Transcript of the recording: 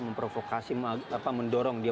memprovokasi mendorong dia